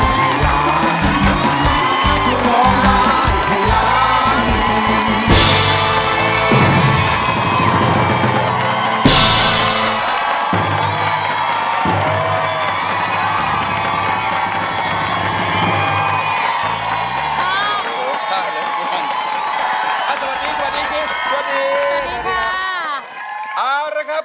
สวัสดีค่ะ